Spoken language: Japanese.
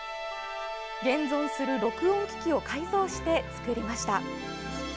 現存する録音機器を改造して作りました。